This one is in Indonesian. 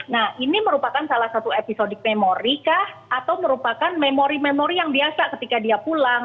nah ini merupakan salah satu episodik memori kah atau merupakan memori memori yang biasa ketika dia pulang